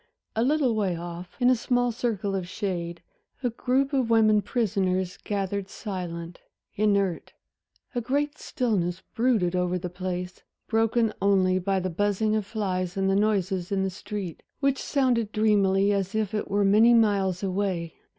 A little way off, in a small circle of shade, a group of women prisoners gathered silent, inert. A great stillness brooded over the place, broken only by the buzzing of flies and the noises in the street, which sounded dreamily as if it were many miles away.